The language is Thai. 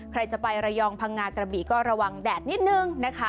ใครจะไประยองพังงากระบีก็ระวังแดดนิดนึงนะคะ